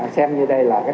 xem như đây là tầng một